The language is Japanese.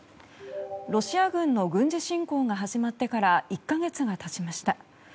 ロシア軍の軍事侵攻が始まってから１か月が経ちました。